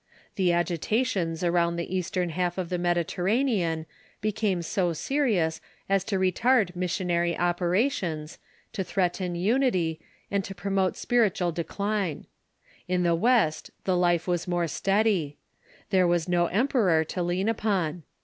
The agitations around the east ern half of the Mediterranean became so serious as to retard missionary operations, to threaten unity, and to promote spir itual decline. In the West the life was more steady. There was no emperor to lean upon.